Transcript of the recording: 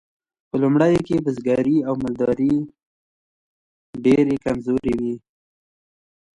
په لومړیو کې بزګري او مالداري ډیرې کمزورې وې.